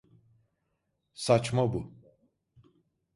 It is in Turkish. Saçma bu.